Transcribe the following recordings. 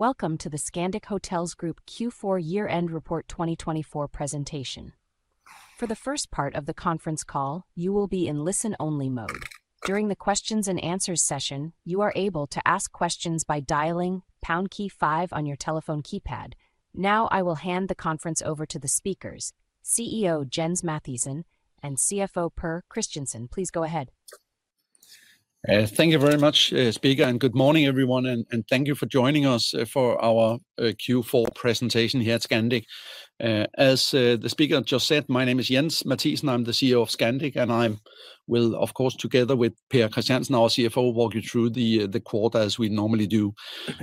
Welcome to the Scandic Hotels Group Q4 Year-End Report 2024 presentation. For the first part of the conference call, you will be in listen-only mode. During the Q&A session, you are able to ask questions by dialing pound key five on your telephone keypad. Now, I will hand the conference over to the speakers: CEO Jens Mathiesen and CFO Pär Christiansen. Please go ahead. Thank you very much, Speaker, and good morning, everyone, and thank you for joining us for our Q4 presentation here at Scandic. As the speaker just said, my name is Jens Mathiesen, I'm the CEO of Scandic, and I will, of course, together with Pär Christiansen, our CFO, walk you through the quarter as we normally do.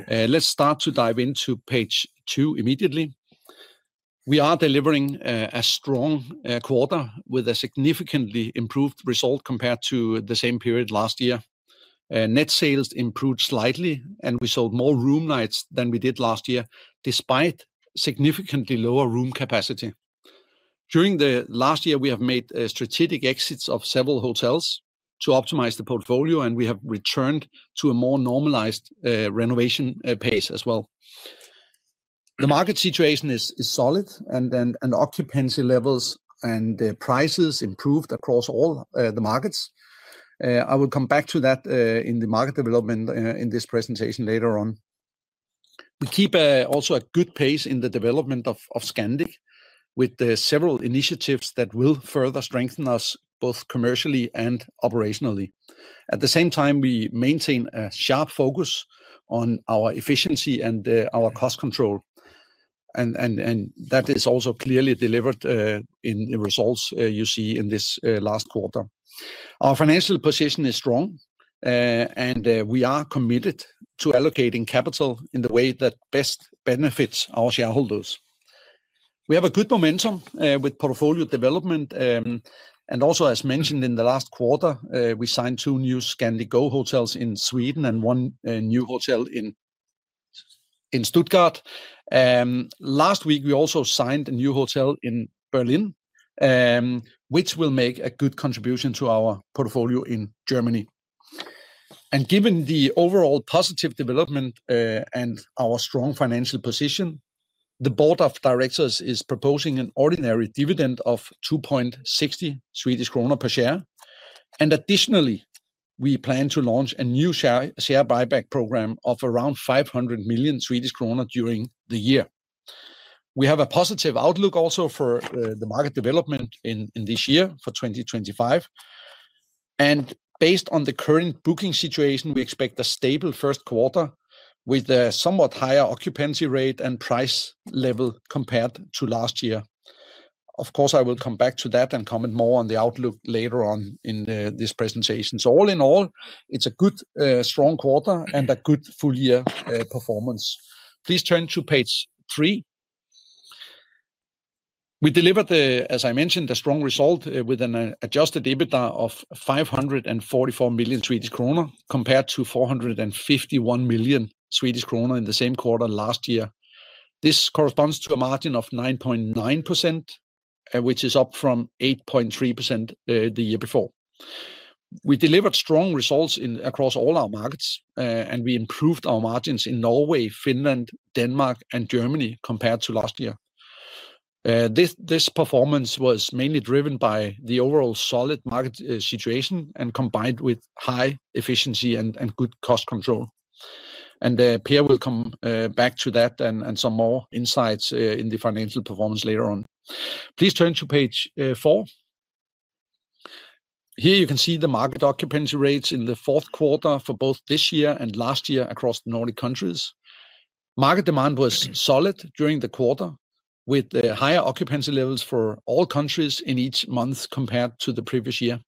Let's start to dive into page two immediately. We are delivering a strong quarter with a significantly improved result compared to the same period last year. Net sales improved slightly, and we sold more room nights than we did last year, despite significantly lower room capacity. During the last year, we have made strategic exits of several hotels to optimize the portfolio, and we have returned to a more normalized renovation pace as well. The market situation is solid, and occupancy levels and prices improved across all the markets. I will come back to that in the market development in this presentation later on. We keep also a good pace in the development of Scandic with several initiatives that will further strengthen us both commercially and operationally. At the same time, we maintain a sharp focus on our efficiency and our cost control, and that is also clearly delivered in the results you see in this last quarter. Our financial position is strong, and we are committed to allocating capital in the way that best benefits our shareholders. We have a good momentum with portfolio development, and also, as mentioned in the last quarter, we signed two new Scandic Go hotels in Sweden and one new hotel in Stuttgart. Last week, we also signed a new hotel in Berlin, which will make a good contribution to our portfolio in Germany. Given the overall positive development and our strong financial position, the board of directors is proposing an ordinary dividend of 2.60 Swedish kronor per share. Additionally, we plan to launch a new share buyback program of around 500 million Swedish kronor during the year. We have a positive outlook also for the market development in this year for 2025. Based on the current booking situation, we expect a stable first quarter with a somewhat higher occupancy rate and price level compared to last year. Of course, I will come back to that and comment more on the outlook later on in this presentation. All in all, it's a good, strong quarter and a good full-year performance. Please turn to page three. We delivered, as I mentioned, a strong result with an Adjusted EBITDA of 544 million Swedish kronor compared to 451 million Swedish kronor in the same quarter last year. This corresponds to a margin of 9.9%, which is up from 8.3% the year before. We delivered strong results across all our markets, and we improved our margins in Norway, Finland, Denmark, and Germany compared to last year. This performance was mainly driven by the overall solid market situation combined with high efficiency and good cost control, and Pär will come back to that and some more insights in the financial performance later on. Please turn to page four. Here you can see the market occupancy rates in the fourth quarter for both this year and last year across the Nordic countries. Market demand was solid during the quarter, with higher occupancy levels for all countries in each month compared to the previous year.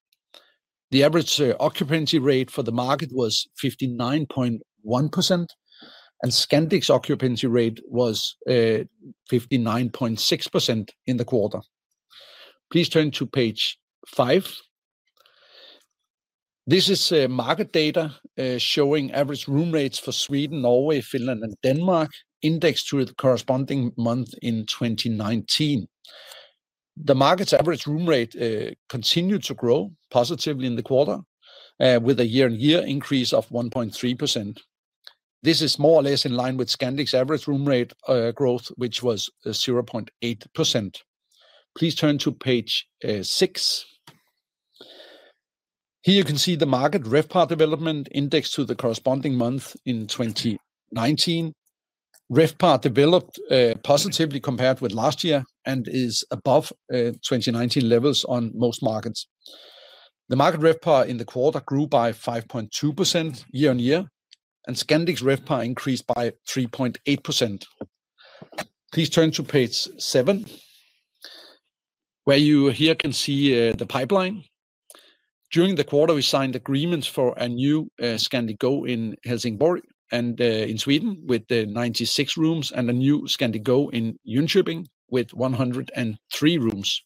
The average occupancy rate for the market was 59.1%, and Scandic's occupancy rate was 59.6% in the quarter. Please turn to page five. This is market data showing average room rates for Sweden, Norway, Finland, and Denmark indexed to the corresponding month in 2019. The market's average room rate continued to grow positively in the quarter, with a year-on-year increase of 1.3%. This is more or less in line with Scandic's average room rate growth, which was 0.8%. Please turn to page six. Here you can see the market RevPAR development indexed to the corresponding month in 2019. RevPAR developed positively compared with last year and is above 2019 levels on most markets. The market RevPAR in the quarter grew by 5.2% year-on-year, and Scandic's RevPAR increased by 3.8%. Please turn to page seven, where you can see the pipeline here. During the quarter, we signed agreements for a new Scandic Go in Helsingborg and in Sweden with 96 rooms and a new Scandic Go in Jönköping with 103 rooms,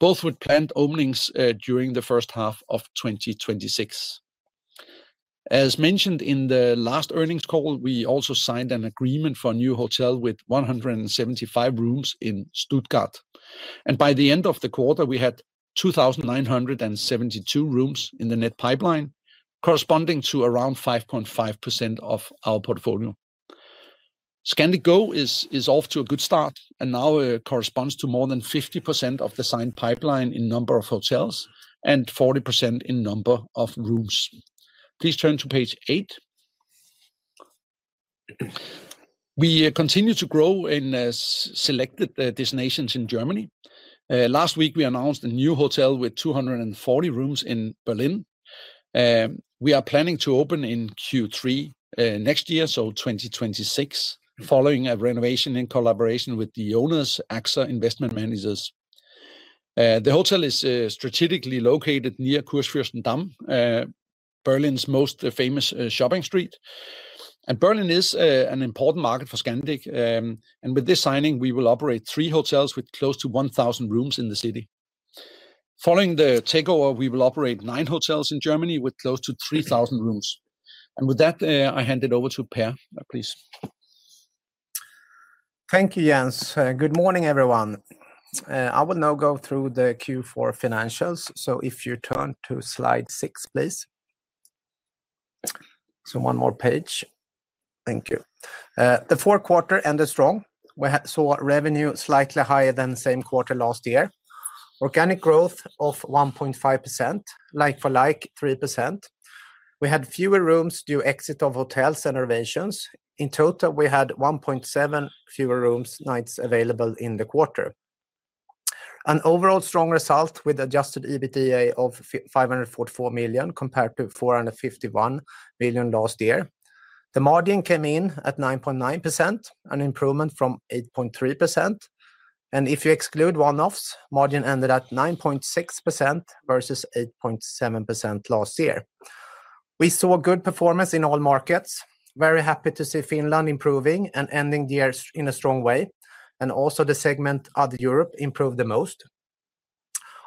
both with planned openings during the first half of 2026. As mentioned in the last earnings call, we also signed an agreement for a new hotel with 175 rooms in Stuttgart. By the end of the quarter, we had 2,972 rooms in the net pipeline, corresponding to around 5.5% of our portfolio. Scandic Go is off to a good start and now corresponds to more than 50% of the signed pipeline in number of hotels and 40% in number of rooms. Please turn to page eight. We continue to grow in selected destinations in Germany. Last week, we announced a new hotel with 240 rooms in Berlin. We are planning to open in Q3 next year, so 2026, following a renovation in collaboration with the owners, AXA Investment Managers. The hotel is strategically located near Kurfürstendamm, Berlin's most famous shopping street. Berlin is an important market for Scandic. With this signing, we will operate three hotels with close to 1,000 rooms in the city. Following the takeover, we will operate nine hotels in Germany with close to 3,000 rooms. With that, I hand it over to Pär, please. Thank you, Jens. Good morning, everyone. I will now go through the Q4 financials. So if you turn to slide six, please. So one more page. Thank you. The fourth quarter ended strong. We saw revenue slightly higher than the same quarter last year. Organic growth of 1.5%, like-for-like, 3%. We had fewer rooms due to exit of hotels and renovations. In total, we had 1.7 fewer room nights available in the quarter. An overall strong result with Adjusted EBITDA of 544 million compared to 451 million last year. The margin came in at 9.9%, an improvement from 8.3%. And if you exclude one-offs, margin ended at 9.6% versus 8.7% last year. We saw good performance in all markets. Very happy to see Finland improving and ending the year in a strong way. And also the segment Other Europe improved the most.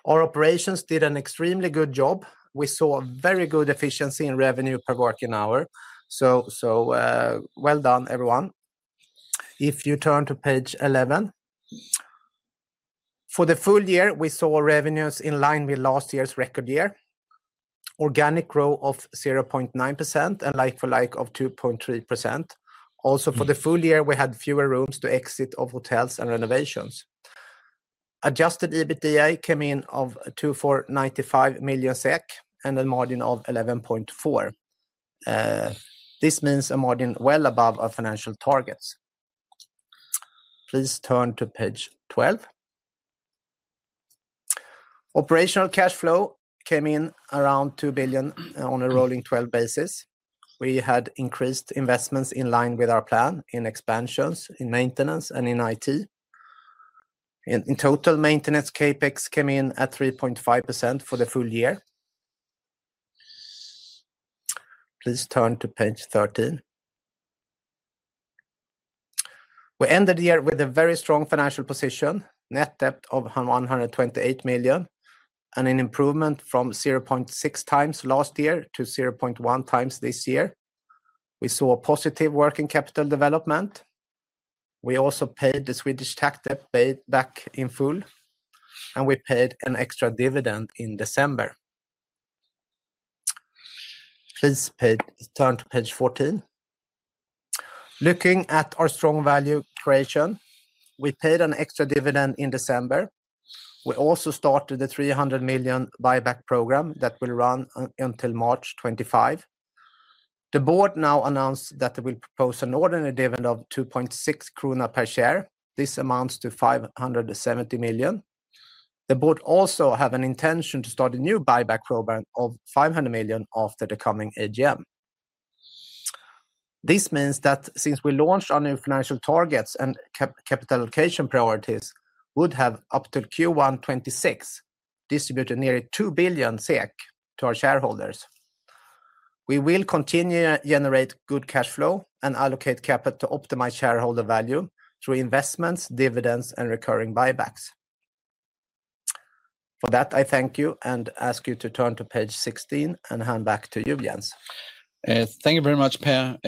Our operations did an extremely good job. We saw very good efficiency in revenue per working hour. So well done, everyone. If you turn to page 11. For the full year, we saw revenues in line with last year's record year. Organic growth of 0.9% and like-for-like of 2.3%. Also for the full year, we had fewer rooms to exit of hotels and renovations. Adjusted EBITDA came in of 2,495 million SEK and a margin of 11.4%. This means a margin well above our financial targets. Please turn to page 12. Operational cash flow came in around 2 billion on a rolling 12 basis. We had increased investments in line with our plan in expansions, in maintenance, and in IT. In total, maintenance CapEx came in at 3.5% for the full year. Please turn to page 13. We ended the year with a very strong financial position, net debt of 128 million, and an improvement from 0.6 times last year to 0.1 times this year. We saw positive working capital development. We also paid the Swedish tax debt back in full, and we paid an extra dividend in December. Please turn to page 14. Looking at our strong value creation, we paid an extra dividend in December. We also started a 300 million buyback program that will run until March 25. The board now announced that they will propose an ordinary dividend of 2.6 krona per share. This amounts to 570 million. The board also has an intention to start a new buyback program of 500 million after the coming AGM. This means that since we launched our new financial targets and capital allocation priorities, we would have up to Q1 2026 distributed nearly 2 billion SEK to our shareholders. We will continue to generate good cash flow and allocate capital to optimize shareholder value through investments, dividends, and recurring buybacks. For that, I thank you and ask you to turn to page 16 and hand back to you, Jens. Thank you very much, Pär.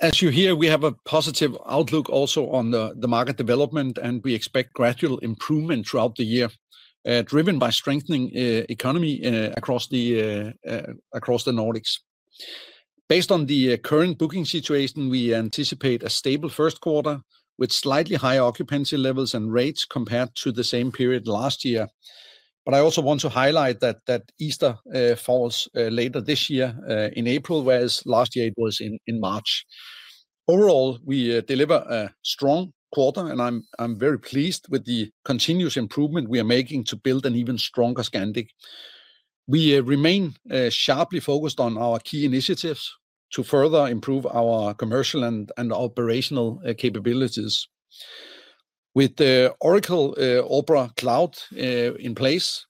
As you hear, we have a positive outlook also on the market development, and we expect gradual improvement throughout the year, driven by strengthening economy across the Nordics. Based on the current booking situation, we anticipate a stable first quarter with slightly higher occupancy levels and rates compared to the same period last year. But I also want to highlight that Easter falls later this year in April, whereas last year it was in March. Overall, we deliver a strong quarter, and I'm very pleased with the continuous improvement we are making to build an even stronger Scandic. We remain sharply focused on our key initiatives to further improve our commercial and operational capabilities. With the Oracle Opera Cloud in place,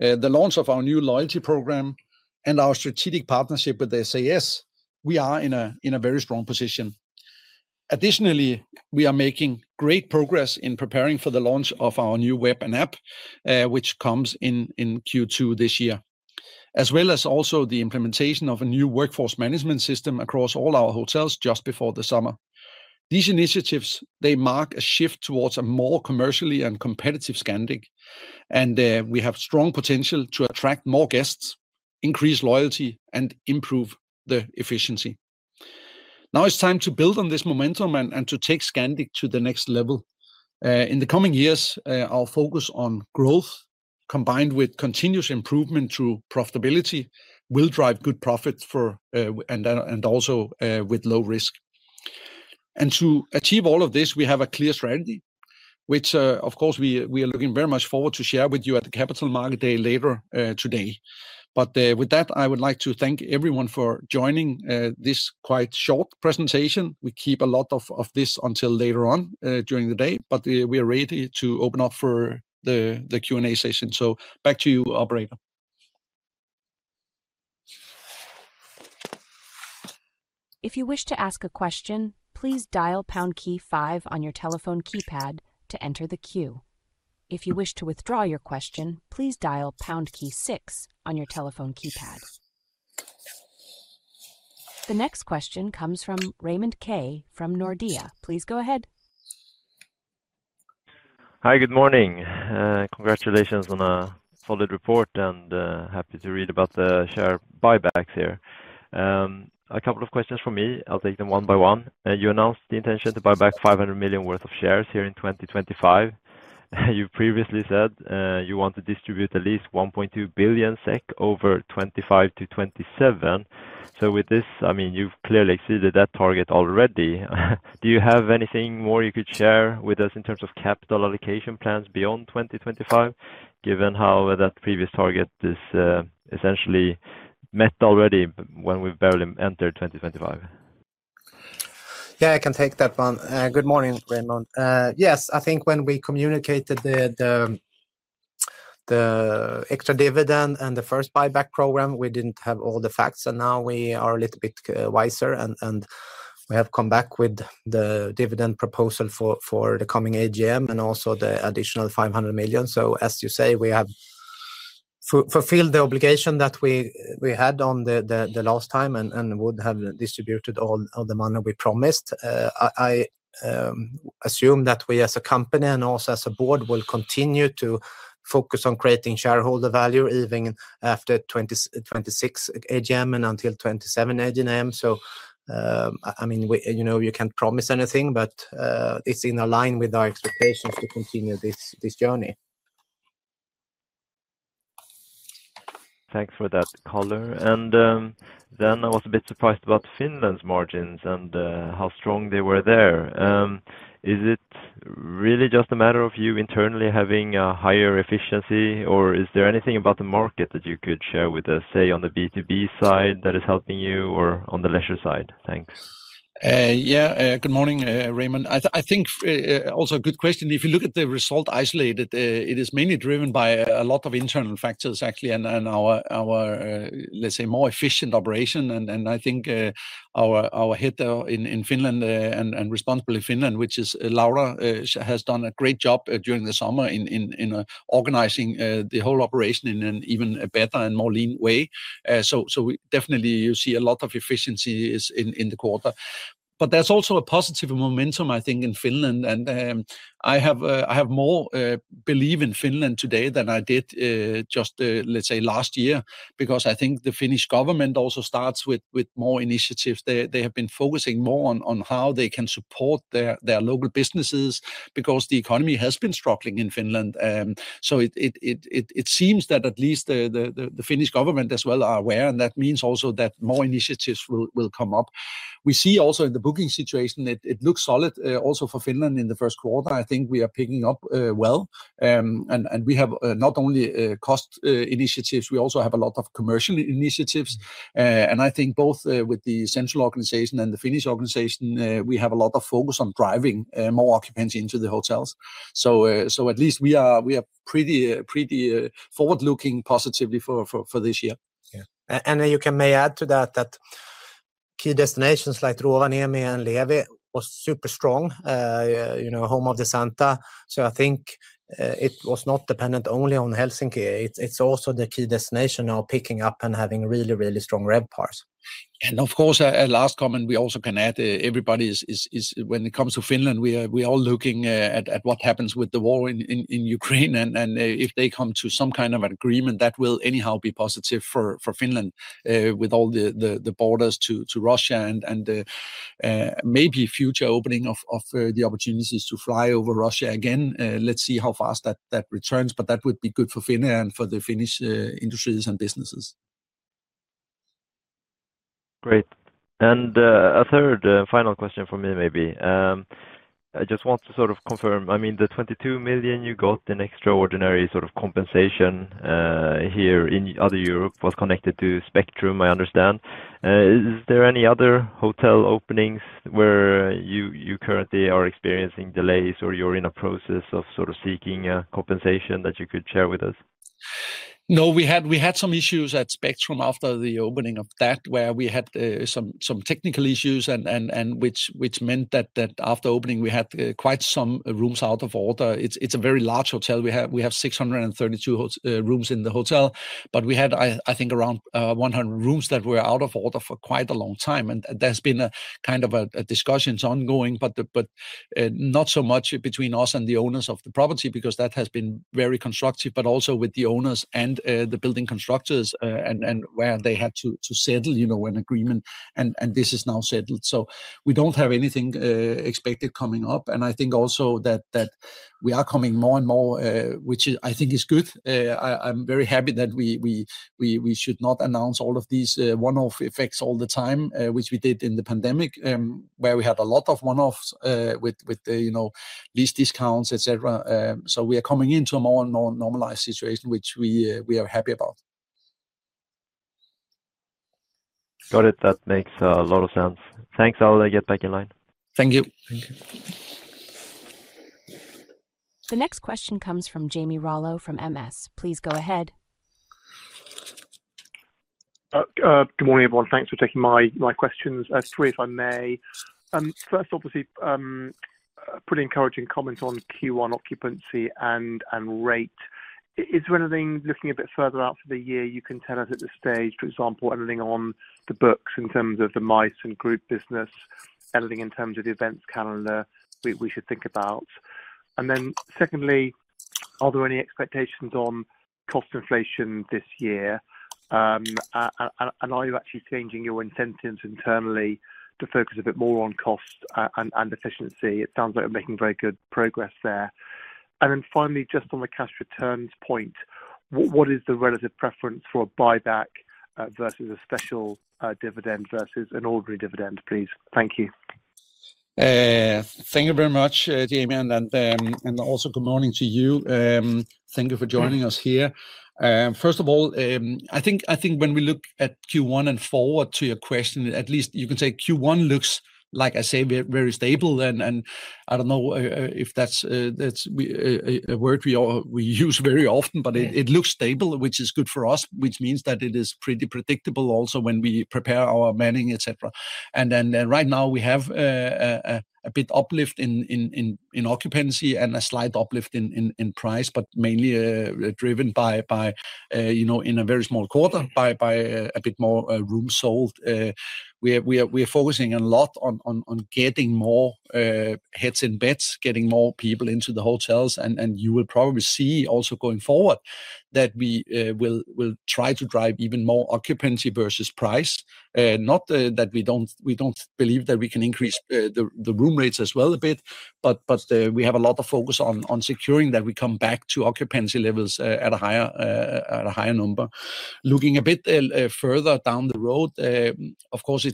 the launch of our new loyalty program, and our strategic partnership with SAS, we are in a very strong position. Additionally, we are making great progress in preparing for the launch of our new web and app, which comes in Q2 this year, as well as also the implementation of a new workforce management system across all our hotels just before the summer. These initiatives, they mark a shift towards a more commercially and competitive Scandic, and we have strong potential to attract more guests, increase loyalty, and improve the efficiency. Now it's time to build on this momentum and to take Scandic to the next level. In the coming years, our focus on growth, combined with continuous improvement through profitability, will drive good profits and also with low risk, and to achieve all of this, we have a clear strategy, which, of course, we are looking very much forward to share with you at the Capital Markets Day later today. But with that, I would like to thank everyone for joining this quite short presentation. We keep a lot of this until later on during the day, but we are ready to open up for the Q&A session. So back to you, Operator. If you wish to ask a question, please dial pound key five on your telephone keypad to enter the queue. If you wish to withdraw your question, please dial pound key six on your telephone keypad. The next question comes from Raymond Ke from Nordea. Please go ahead. Hi, good morning. Congratulations on a solid report, and happy to read about the share buybacks here. A couple of questions for me. I'll take them one by one. You announced the intention to buy back 500 million worth of shares here in 2025. You previously said you want to distribute at least 1.2 billion SEK over 2025 to 2027. So with this, I mean, you've clearly exceeded that target already. Do you have anything more you could share with us in terms of capital allocation plans beyond 2025, given how that previous target is essentially met already when we've barely entered 2025? Yeah, I can take that one. Good morning, Raymond. Yes, I think when we communicated the extra dividend and the first buyback program, we didn't have all the facts, and now we are a little bit wiser, and we have come back with the dividend proposal for the coming AGM and also the additional 500 million, so as you say, we have fulfilled the obligation that we had on the last time and would have distributed all the money we promised. I assume that we as a company and also as a board will continue to focus on creating shareholder value even after 2026 AGM and until 2027 AGM, so I mean, you can't promise anything, but it's in alignment with our expectations to continue this journey. Thanks for that, color. And then I was a bit surprised about Finland's margins and how strong they were there. Is it really just a matter of you internally having a higher efficiency, or is there anything about the market that you could share with us, say, on the B2B side that is helping you or on the leisure side? Thanks. Yeah, good morning, Raymond. I think also a good question. If you look at the result isolated, it is mainly driven by a lot of internal factors, actually, and our, let's say, more efficient operation, and I think our head there in Finland and responsible in Finland, which is Laura, has done a great job during the summer in organizing the whole operation in an even better and more lean way, so definitely, you see a lot of efficiencies in the quarter, but there's also a positive momentum, I think, in Finland, and I have more belief in Finland today than I did, just let's say, last year, because I think the Finnish government also starts with more initiatives. They have been focusing more on how they can support their local businesses because the economy has been struggling in Finland. So it seems that at least the Finnish government as well are aware, and that means also that more initiatives will come up. We see also in the booking situation, it looks solid also for Finland in the first quarter. I think we are picking up well. And we have not only cost initiatives, we also have a lot of commercial initiatives. And I think both with the central organization and the Finnish organization, we have a lot of focus on driving more occupants into the hotels. So at least we are pretty forward-looking positively for this year. Then you may add to that that key destinations like Rovaniemi and Levi were super strong, home of Santa. I think it was not dependent only on Helsinki. It's also the key destination now picking up and having really, really strong RevPARs. Of course, a last comment we also can add, everybody, when it comes to Finland, we are all looking at what happens with the war in Ukraine. If they come to some kind of an agreement, that will anyhow be positive for Finland with all the borders to Russia and maybe future opening of the opportunities to fly over Russia again. Let's see how fast that returns, but that would be good for Finland and for the Finnish industries and businesses. Great. And a third final question for me maybe. I just want to sort of confirm. I mean, the 22 million you got in extraordinary sort of compensation here in Other Europe was connected to Spectrum, I understand. Is there any other hotel openings where you currently are experiencing delays or you're in a process of sort of seeking compensation that you could share with us? No, we had some issues at Spectrum after the opening of that, where we had some technical issues, which meant that after opening, we had quite some rooms out of order. It's a very large hotel. We have 632 rooms in the hotel, but we had, I think, around 100 rooms that were out of order for quite a long time. And there's been a kind of a discussion ongoing, but not so much between us and the owners of the property because that has been very constructive, but also with the owners and the building constructors and where they had to settle an agreement, and this is now settled. So we don't have anything expected coming up. And I think also that we are coming more and more, which I think is good. I'm very happy that we should not announce all of these one-off effects all the time, which we did in the pandemic, where we had a lot of one-offs with these discounts, etc. So we are coming into a more normalized situation, which we are happy about. Got it. That makes a lot of sense. Thanks. I'll get back in line. Thank you. The next question comes from Jamie Rollo from MS. Please go ahead. Good morning, everyone. Thanks for taking my questions. Three, if I may. First, obviously, pretty encouraging comment on Q1 occupancy and rate. Is there anything looking a bit further out for the year you can tell us at this stage, for example, anything on the books in terms of the MICE business, anything in terms of the events calendar we should think about? And then secondly, are there any expectations on cost inflation this year? And are you actually changing your incentives internally to focus a bit more on cost and efficiency? It sounds like you're making very good progress there. And then finally, just on the cash returns point, what is the relative preference for a buyback versus a special dividend versus an ordinary dividend, please? Thank you. Thank you very much, Jamie, and also good morning to you. Thank you for joining us here. First of all, I think when we look at Q1 and forward to your question, at least you can say Q1 looks, like I say, very stable, and I don't know if that's a word we use very often, but it looks stable, which is good for us, which means that it is pretty predictable also when we prepare our manning, etc., and then right now we have a bit uplift in occupancy and a slight uplift in price, but mainly driven in a very small quarter by a bit more room sold. We are focusing a lot on getting more heads in beds, getting more people into the hotels, and you will probably see also going forward that we will try to drive even more occupancy versus price. Not that we don't believe that we can increase the room rates as well a bit, but we have a lot of focus on securing that we come back to occupancy levels at a higher number. Looking a bit further down the road, of course,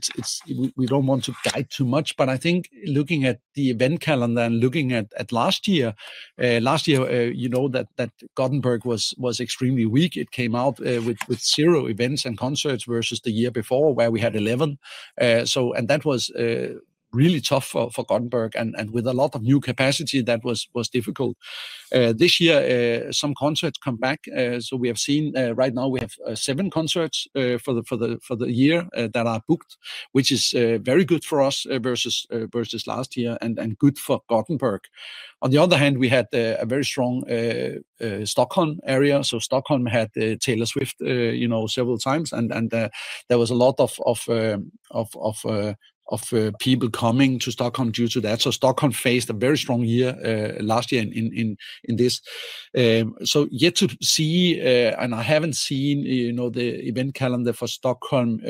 we don't want to dive too much, but I think looking at the event calendar and looking at last year, last year, you know that Gothenburg was extremely weak. It came out with zero events and concerts versus the year before where we had 11, and that was really tough for Gothenburg and with a lot of new capacity that was difficult. This year, some concerts come back, so we have seen right now we have seven concerts for the year that are booked, which is very good for us versus last year and good for Gothenburg. On the other hand, we had a very strong Stockholm area, so Stockholm had Taylor Swift several times, and there was a lot of people coming to Stockholm due to that, so Stockholm faced a very strong year last year in this, so yet to see, and I haven't seen the event calendar for Stockholm.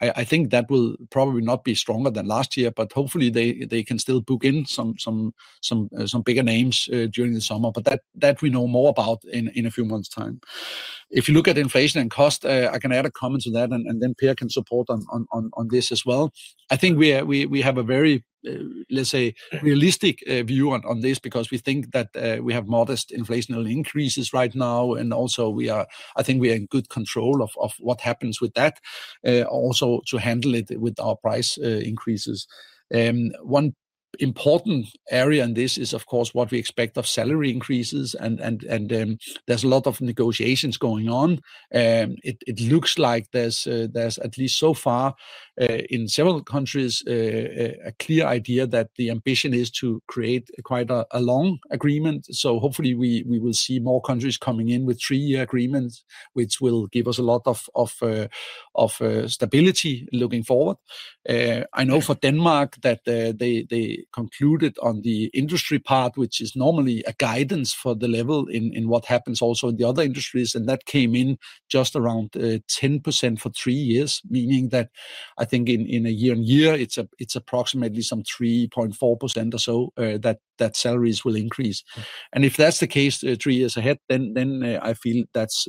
I think that will probably not be stronger than last year, but hopefully they can still book in some bigger names during the summer, but that we know more about in a few months' time. If you look at inflation and cost, I can add a comment to that, and then Pär can support on this as well. I think we have a very, let's say, realistic view on this because we think that we have modest inflationary increases right now. Also, I think we are in good control of what happens with that, also to handle it with our price increases. One important area in this is, of course, what we expect of salary increases. There's a lot of negotiations going on. It looks like there's, at least so far, in several countries, a clear idea that the ambition is to create quite a long agreement. Hopefully we will see more countries coming in with three-year agreements, which will give us a lot of stability looking forward. I know for Denmark that they concluded on the industry part, which is normally a guidance for the level in what happens also in the other industries. That came in just around 10% for three years, meaning that I think year-on-year, it's approximately some 3.4% or so that salaries will increase. If that's the case three years ahead, then I feel that's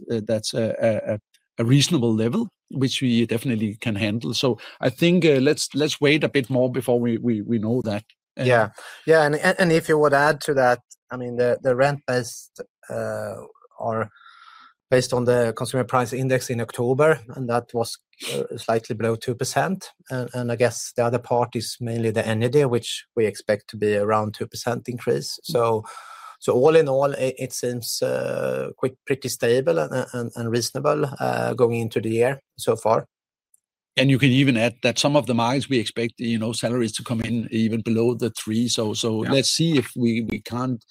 a reasonable level, which we definitely can handle. I think let's wait a bit more before we know that. Yeah. Yeah. And if you would add to that, I mean, the rent based on the Consumer Price Index in October, and that was slightly below 2%. And I guess the other part is mainly the energy which we expect to be around 2% increase. So all in all, it seems pretty stable and reasonable going into the year so far. And you can even add that some of the markets we expect salaries to come in even below the three. So let's see if we can't,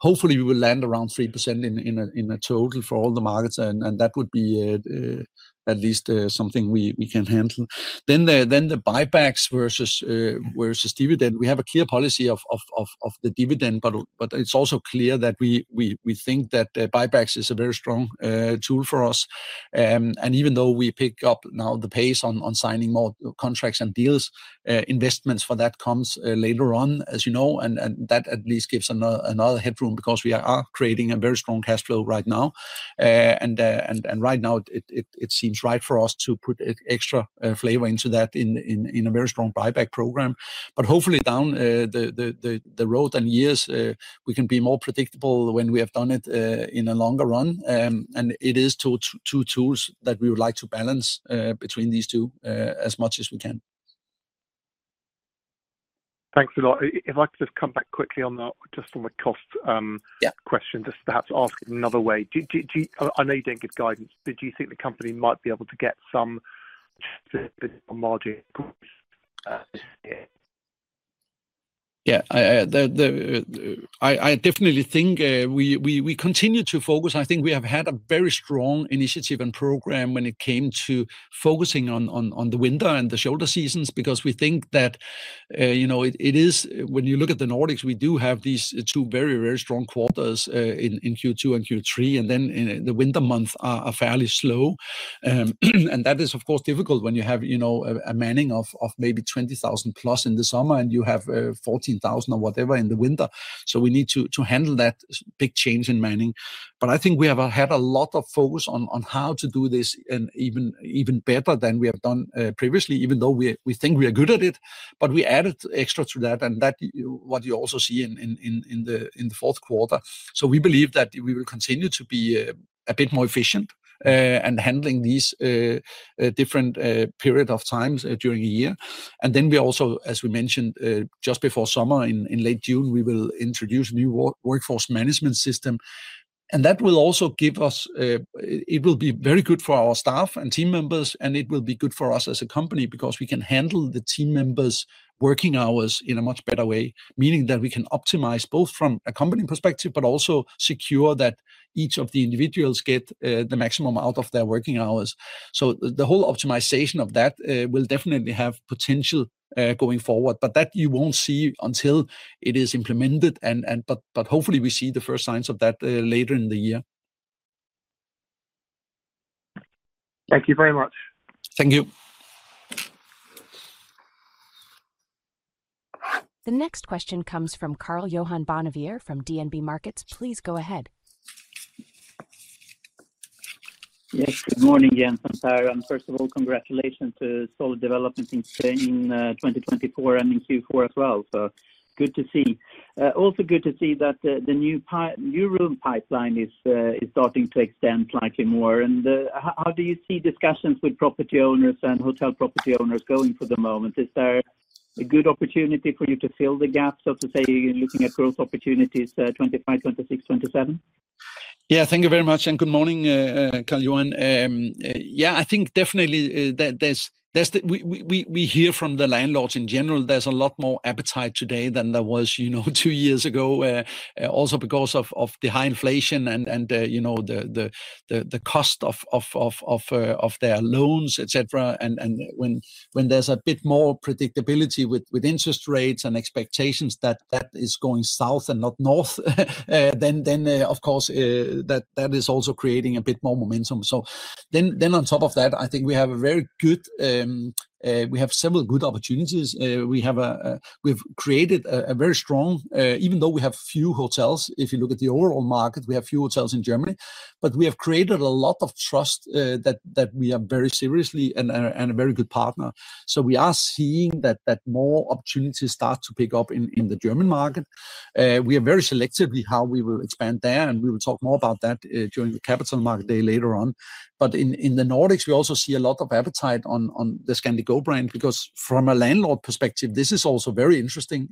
hopefully we will land around 3% in a total for all the markets. And that would be at least something we can handle. Then the buybacks versus dividend, we have a clear policy of the dividend, but it's also clear that we think that buybacks is a very strong tool for us. And even though we pick up now the pace on signing more contracts and deals, investments for that comes later on, as you know. And that at least gives another headroom because we are creating a very strong cash flow right now. And right now, it seems right for us to put extra flavor into that in a very strong buyback program. But hopefully down the road and years, we can be more predictable when we have done it in a longer run. And it is two tools that we would like to balance between these two as much as we can. Thanks a lot. If I could just come back quickly on that, just on the cost question, just perhaps ask in another way. I know you don't give guidance, but do you think the company might be able to get some margin? Yeah. I definitely think we continue to focus. I think we have had a very strong initiative and program when it came to focusing on the winter and the shoulder seasons because we think that it is, when you look at the Nordics, we do have these two very, very strong quarters in Q2 and Q3. And then the winter months are fairly slow. And that is, of course, difficult when you have a manning of maybe 20,000 plus in the summer and you have 14,000 or whatever in the winter. So we need to handle that big change in manning. But I think we have had a lot of focus on how to do this even better than we have done previously, even though we think we are good at it. But we added extra to that and that what you also see in the fourth quarter. We believe that we will continue to be a bit more efficient in handling these different periods of time during the year. And then we also, as we mentioned, just before summer in late June, we will introduce a new workforce management system. And that will also give us. It will be very good for our staff and team members, and it will be good for us as a company because we can handle the team members' working hours in a much better way, meaning that we can optimize both from a company perspective, but also secure that each of the individuals get the maximum out of their working hours. So the whole optimization of that will definitely have potential going forward, but that you won't see until it is implemented. But hopefully we see the first signs of that later in the year. Thank you very much. Thank you. The next question comes from Karl-Johan Bonnevier from DNB Markets. Please go ahead. Yes. Good morning, Jens Mathiesen. First of all, congratulations to solid development in 2024 and in Q4 as well. So good to see. Also good to see that the new room pipeline is starting to extend slightly more. And how do you see discussions with property owners and hotel property owners going for the moment? Is there a good opportunity for you to fill the gaps, so to say, looking at growth opportunities 2025, 2026, 2027? Yeah, thank you very much and good morning, Karl-Johan. Yeah, I think definitely we hear from the landlords in general. There's a lot more appetite today than there was two years ago, also because of the high inflation and the cost of their loans, etc, and when there's a bit more predictability with interest rates and expectations that that is going south and not north, then of course that is also creating a bit more momentum, so then on top of that, I think we have a very good, we have several good opportunities. We have created a very strong, even though we have few hotels, if you look at the overall market, we have few hotels in Germany, but we have created a lot of trust that we are very seriously and a very good partner. We are seeing that more opportunities start to pick up in the German market. We are very selective with how we will expand there, and we will talk more about that during the Capital Markets Day later on. In the Nordics, we also see a lot of appetite on the Scandic Go brand because from a landlord perspective, this is also very interesting.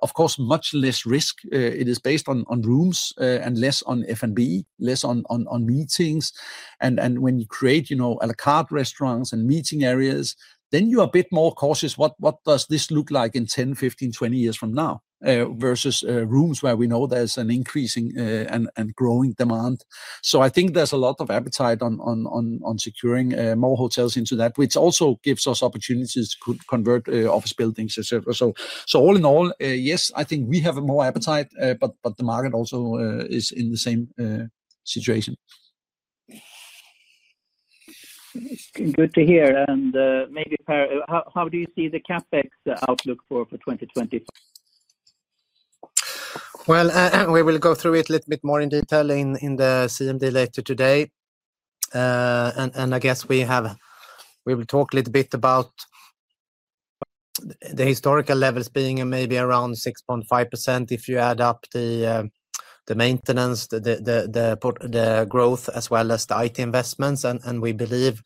Of course, much less risk. It is based on rooms and less on F&B, less on meetings. When you create à la carte restaurants and meeting areas, then you are a bit more cautious. What does this look like in 10, 15, 20 years from now versus rooms where we know there's an increasing and growing demand? I think there's a lot of appetite on securing more hotels into that, which also gives us opportunities to convert office buildings, etc. So all in all, yes, I think we have more appetite, but the market also is in the same situation. Good to hear. And maybe how do you see the CapEx outlook for 2020? We will go through it a little bit more in detail in the CMD lecture today. I guess we will talk a little bit about the historical levels being maybe around 6.5% if you add up the maintenance, the growth, as well as the IT investments. We believe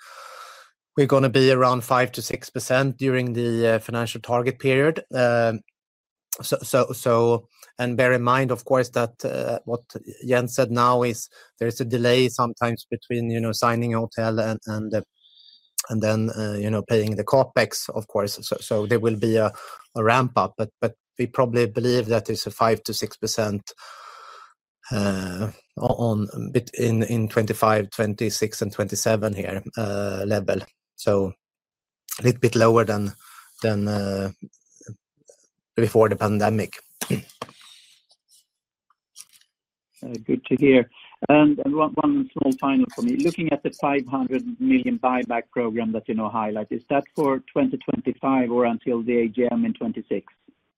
we're going to be around 5%-6% during the financial target period. Bear in mind, of course, that what Jens said now is there is a delay sometimes between signing a hotel and then paying the CapEx, of course. There will be a ramp up, but we probably believe that it's a 5%-6% in 2025, 2026, and 2027 year level. A little bit lower than before the pandemic. Good to hear. And one small final from you. Looking at the 500 million buyback program that you know highlight, is that for 2025 or until the AGM in 2026?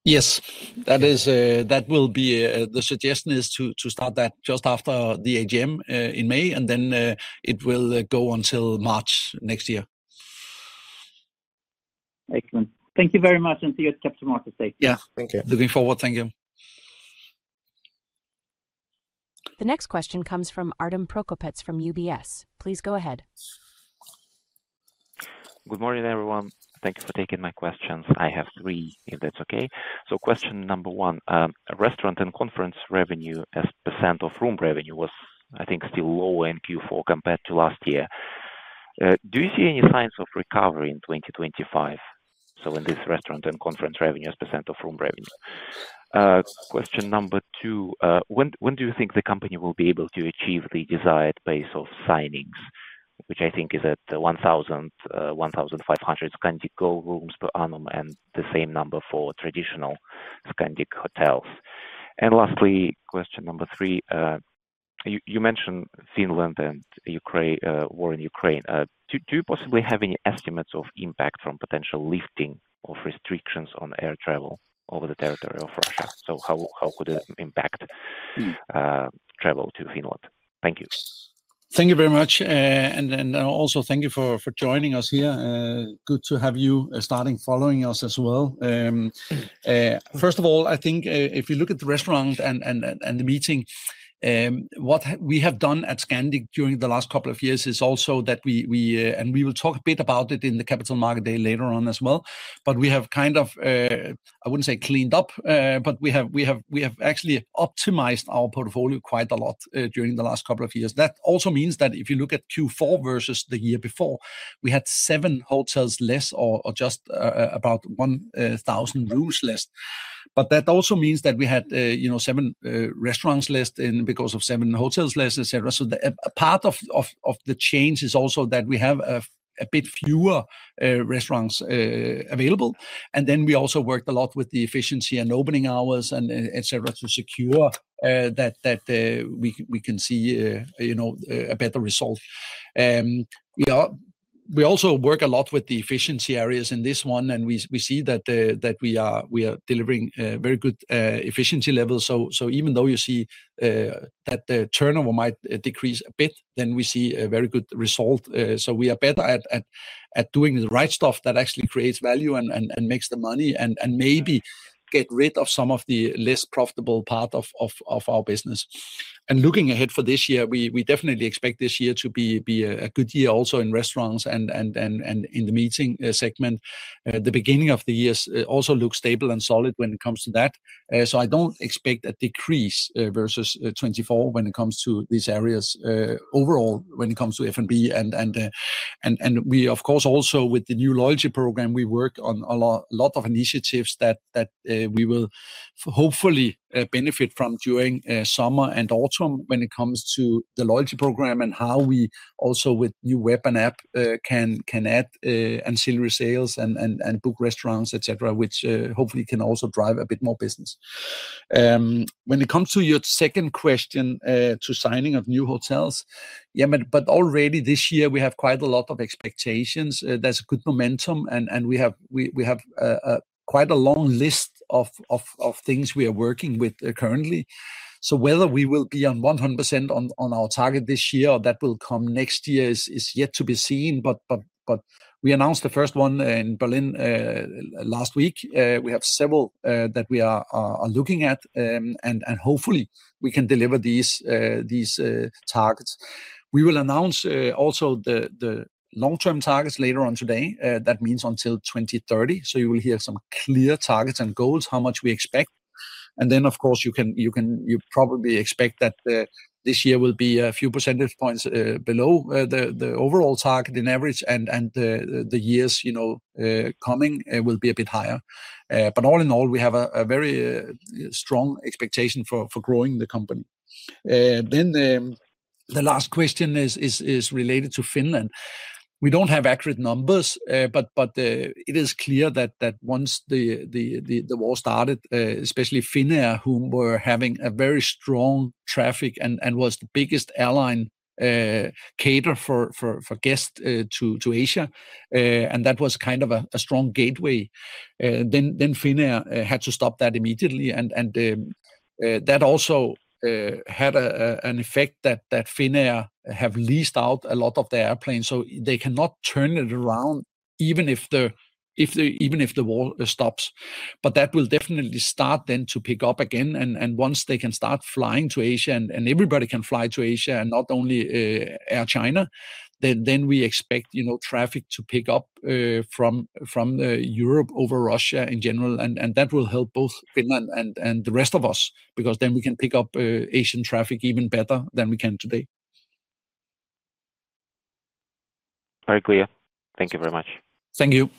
Yes, that will be the suggestion is to start that just after the AGM in May, and then it will go until March next year. Excellent. Thank you very much, and see you at Capital Markets Day. Yeah, thank you. Looking forward, thank you. The next question comes from Artem Prokopets from UBS. Please go ahead. Good morning, everyone. Thank you for taking my questions. I have three, if that's okay. So question number one, restaurant and conference revenue as % of room revenue was, I think, still lower in Q4 compared to last year. Do you see any signs of recovery in 2025? So in this restaurant and conference revenue as % of room revenue. Question number two, when do you think the company will be able to achieve the desired pace of signings, which I think is at 1,000, 1,500 Scandic own-brand rooms per annum and the same number for traditional Scandic hotels? And lastly, question number three, you mentioned Finland and war in Ukraine. Do you possibly have any estimates of impact from potential lifting of restrictions on air travel over the territory of Russia? So how could it impact travel to Finland? Thank you. Thank you very much. And also thank you for joining us here. Good to have you starting following us as well. First of all, I think if you look at the restaurant and the meeting, what we have done at Scandic during the last couple of years is also that we, and we will talk a bit about it in the Capital Markets Day later on as well, but we have kind of, I wouldn't say cleaned up, but we have actually optimized our portfolio quite a lot during the last couple of years. That also means that if you look at Q4 versus the year before, we had seven hotels less or just about 1,000 rooms less. But that also means that we had seven restaurants less because of seven hotels less, etc. So part of the change is also that we have a bit fewer restaurants available. And then we also worked a lot with the efficiency and opening hours, etc., to secure that we can see a better result. We also work a lot with the efficiency areas in this one, and we see that we are delivering very good efficiency levels. So even though you see that the turnover might decrease a bit, then we see a very good result. So we are better at doing the right stuff that actually creates value and makes the money and maybe get rid of some of the less profitable part of our business. And looking ahead for this year, we definitely expect this year to be a good year also in restaurants and in the meeting segment. The beginning of the year also looks stable and solid when it comes to that. So I don't expect a decrease versus 2024 when it comes to these areas overall when it comes to F&B. And we, of course, also with the new loyalty program, we work on a lot of initiatives that we will hopefully benefit from during summer and autumn when it comes to the loyalty program and how we also with new web and app can add ancillary sales and book restaurants, etc., which hopefully can also drive a bit more business. When it comes to your second question to signing of new hotels, yeah, but already this year we have quite a lot of expectations. There's a good momentum and we have quite a long list of things we are working with currently. So whether we will be 100% on our target this year or that will come next year is yet to be seen. We announced the first one in Berlin last week. We have several that we are looking at and hopefully we can deliver these targets. We will announce also the long-term targets later on today. That means until 2030. So you will hear some clear targets and goals, how much we expect. And then, of course, you probably expect that this year will be a few percentage points below the overall target in average and the years coming will be a bit higher. But all in all, we have a very strong expectation for growing the company. Then the last question is related to Finland. We don't have accurate numbers, but it is clear that once the war started, especially Finnair, who were having a very strong traffic and was the biggest airline carrier for guests to Asia, and that was kind of a strong gateway. Then Finnair had to stop that immediately. And that also had an effect that Finnair have leased out a lot of their airplanes. So they cannot turn it around even if the war stops. But that will definitely start then to pick up again. And once they can start flying to Asia and everybody can fly to Asia and not only Air China, then we expect traffic to pick up from Europe over Russia in general. And that will help both Finland and the rest of us because then we can pick up Asian traffic even better than we can today. Very clear. Thank you very much. Thank you.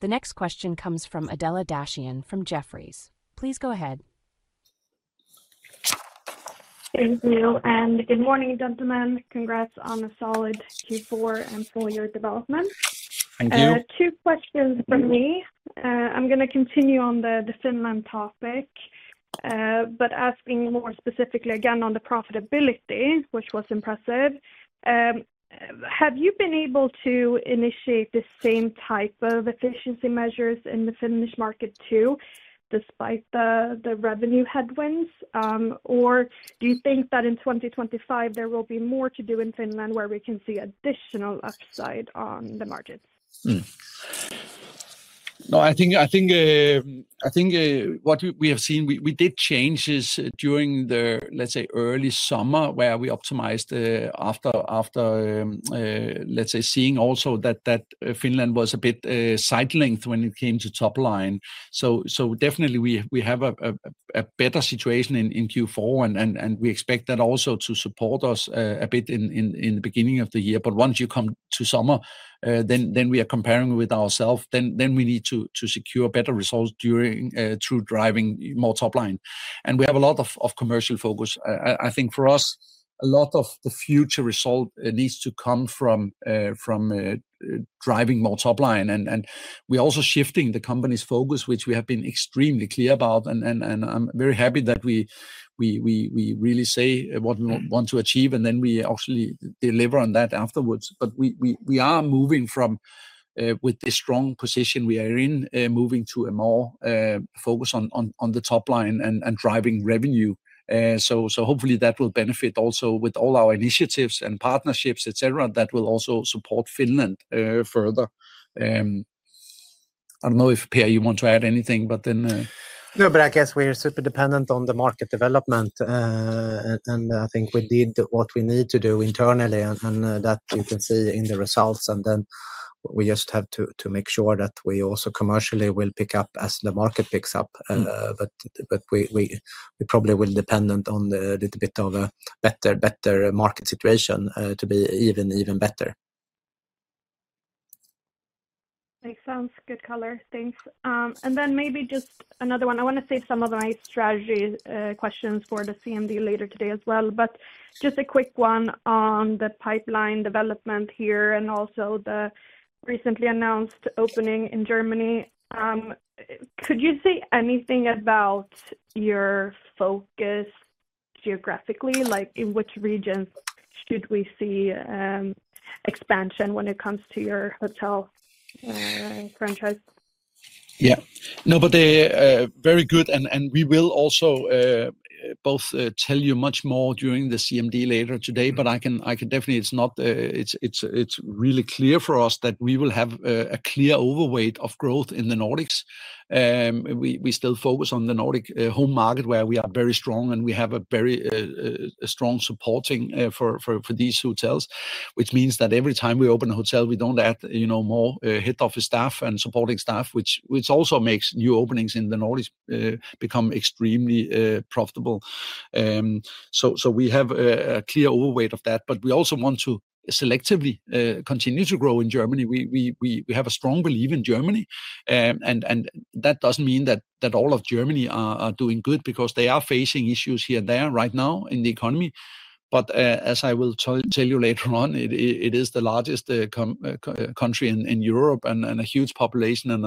The next question comes from Adela Dashian from Jefferies. Please go ahead. Thank you. And good morning, gentlemen. Congrats on a solid Q4 and full year development. Thank you. Two questions from me. I'm going to continue on the Finland topic, but asking more specifically again on the profitability, which was impressive. Have you been able to initiate the same type of efficiency measures in the Finnish market too, despite the revenue headwinds? Or do you think that in 2025 there will be more to do in Finland where we can see additional upside on the markets? No, I think what we have seen, we did changes during the, let's say, early summer where we optimized after, let's say, seeing also that Finland was a bit sidelined when it came to top line. So definitely we have a better situation in Q4 and we expect that also to support us a bit in the beginning of the year. But once you come to summer, then we are comparing with ourselves, then we need to secure better results through driving more top line. And we have a lot of commercial focus. I think for us, a lot of the future result needs to come from driving more top line. And we are also shifting the company's focus, which we have been extremely clear about. And I'm very happy that we really say what we want to achieve and then we actually deliver on that afterwards. But we are moving from, with the strong position we are in, moving to a more focus on the top line and driving revenue. So hopefully that will benefit also with all our initiatives and partnerships, etc., that will also support Finland further. I don't know if Pär, you want to add anything, but then. No, but I guess we're super dependent on the market development, and I think we did what we need to do internally and that you can see in the results, and then we just have to make sure that we also commercially will pick up as the market picks up, but we probably will depend on a little bit of a better market situation to be even better. Makes sense. Good color. Thanks. And then maybe just another one. I want to save some of my strategy questions for the CMD later today as well. But just a quick one on the pipeline development here and also the recently announced opening in Germany. Could you say anything about your focus geographically? In which region should we see expansion when it comes to your hotel franchise? Yeah. No, but very good. And we will also both tell you much more during the CMD later today, but I can definitely say it's really clear for us that we will have a clear overweight of growth in the Nordics. We still focus on the Nordic home market where we are very strong and we have a very strong supporting for these hotels, which means that every time we open a hotel, we don't add more head office staff and supporting staff, which also makes new openings in the Nordics become extremely profitable. So we have a clear overweight of that, but we also want to selectively continue to grow in Germany. We have a strong belief in Germany. And that doesn't mean that all of Germany are doing good because they are facing issues here and there right now in the economy. But as I will tell you later on, it is the largest country in Europe and a huge population. And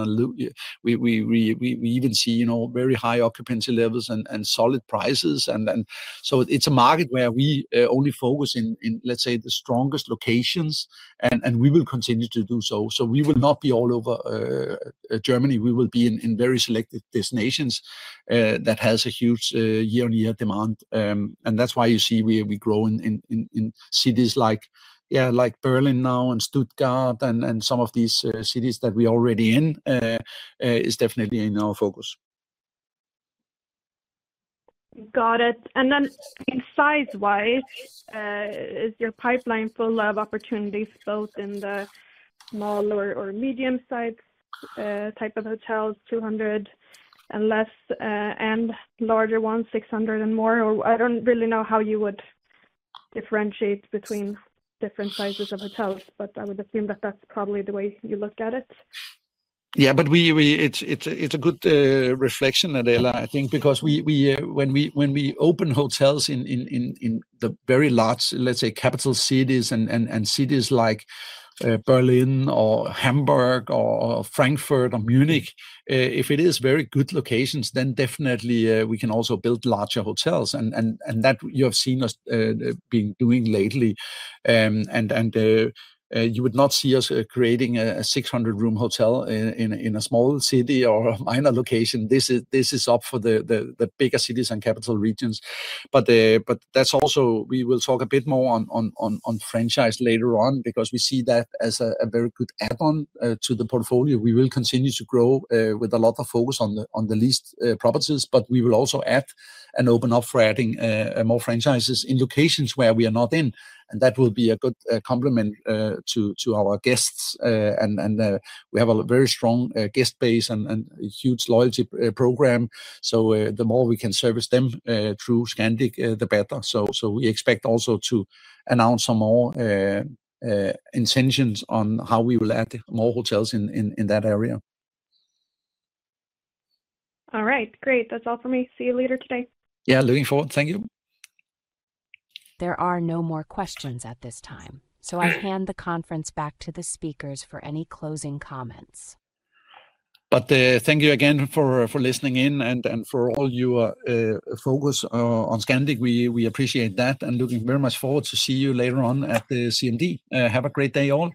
we even see very high occupancy levels and solid prices. And so it's a market where we only focus in, let's say, the strongest locations, and we will continue to do so. So we will not be all over Germany. We will be in very selected destinations that have a huge year-on-year demand. And that's why you see we grow in cities like Berlin now and Stuttgart and some of these cities that we are already in is definitely in our focus. Got it. And then size-wise, is your pipeline full of opportunities both in the small or medium-sized type of hotels, 200 and less, and larger ones, 600 and more? Or I don't really know how you would differentiate between different sizes of hotels, but I would assume that that's probably the way you look at it. Yeah, but it's a good reflection, Adela, I think, because when we open hotels in the very large, let's say, capital cities and cities like Berlin or Hamburg or Frankfurt or Munich, if it is very good locations, then definitely we can also build larger hotels. And that you have seen us been doing lately. And you would not see us creating a 600-room hotel in a small city or a minor location. This is up for the bigger cities and capital regions. But that's also, we will talk a bit more on franchise later on because we see that as a very good add-on to the portfolio. We will continue to grow with a lot of focus on the leased properties, but we will also add and open up for adding more franchises in locations where we are not in. And that will be a good complement to our guests. And we have a very strong guest base and a huge loyalty program. So the more we can service them through Scandic, the better. So we expect also to announce some more intentions on how we will add more hotels in that area. All right. Great. That's all for me. See you later today. Yeah, looking forward. Thank you. There are no more questions at this time. So I hand the conference back to the speakers for any closing comments. But thank you again for listening in and for all your focus on Scandic. We appreciate that and looking very much forward to see you later on at the CMD. Have a great day all.